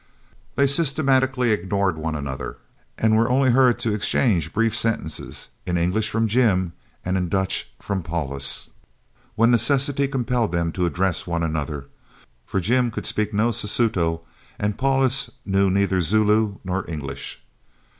They systematically ignored one another, and were only heard to exchange brief sentences, in English from Jim and in Dutch from Paulus, when necessity compelled them to address one another, for Jim could speak no Sesuto and Paulus knew neither Zulu nor English.